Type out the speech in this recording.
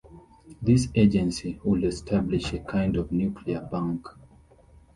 This agency would establish a kind of nuclear bank.